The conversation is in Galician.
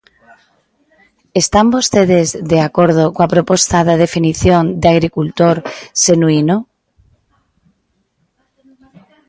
¿Están vostedes de acordo coa proposta da definición de agricultor xenuíno?